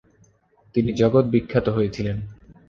তিনি জগত বিখ্যাত হয়েছিলেন।